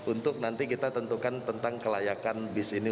untuk nanti kita tentukan tentang kelayakan bis ini